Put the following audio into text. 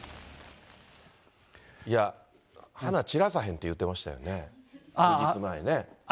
いや、花散らさへんって言ってましたよね、数日前ね。